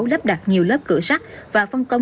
lắp đặt nhiều lớp cửa sắt và phân công